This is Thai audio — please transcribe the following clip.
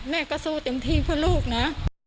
แม่ก็สู้เต็มที่เพื่อลูกนะ